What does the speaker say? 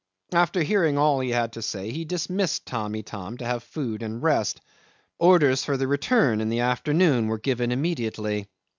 After hearing all he had to say he dismissed Tamb' Itam to have food and rest. Orders for the return in the afternoon were given immediately.